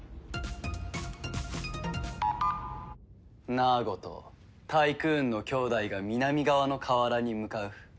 ナーゴとタイクーンの姉弟が南側の河原に向かう。